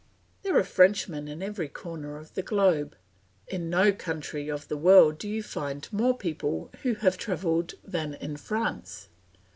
There are Frenchmen in every corner of the globe. In no country of the world do you find more people who have travelled than in France.